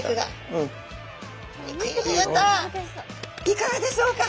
いかがでしょうか？